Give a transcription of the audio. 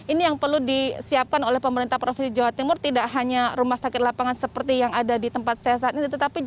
ini yang perlu disiapkan oleh pemerintah provinsi jawa timur tidak hanya rumah sakit lapangan seperti yang ada di tempat saya saat ini